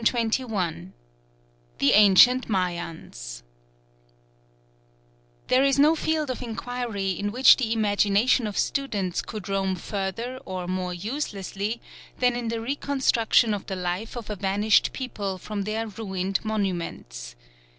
CHAPTER XIV THE ANCIENT MAYANS There is no field of inquiry in which the imagination of students could roam further or more uselessly than in the reconstruction of the life of a vanished people from their ruined monuments.